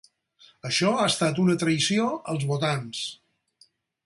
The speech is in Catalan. Això ha estat una traïció als votants.